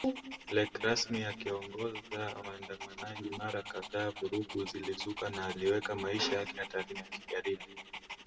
lake rasmi akiongoza waandamanaji Mara kadhaa vurugu zilizuka na aliweka maisha yake hatarini akijaribu